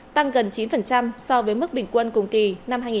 tăng gần chín so với mức bình quân cùng kỳ năm hai nghìn hai mươi hai